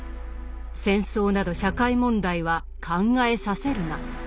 戦争など社会問題は考えさせるな。